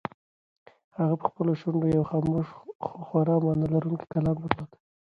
هغې په خپلو شونډو یو خاموش خو خورا مانا لرونکی کلام درلود.